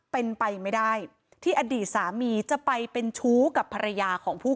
เป็นไปไม่ได้ที่อดีตสามีจะไปเป็นชู้กับภรรยาของผู้